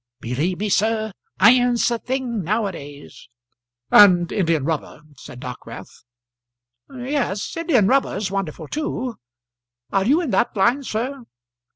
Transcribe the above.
Believe me, sir, iron's the thing now a days." "And indian rubber," said Dockwrath. "Yes; indian rubber's wonderful too. Are you in that line, sir?"